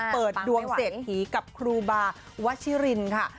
เปิดดวงเศรษฐีกับครูบาวัชิรินค่ะ